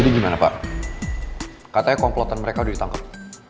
jadi gimana pak katanya komplotan mereka udah ditangkep